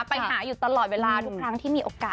ไปหาอยู่ตลอดเวลาทุกครั้งที่มีโอกาส